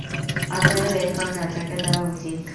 অতএব এই ফল রাজাকে দেওয়া উচিত।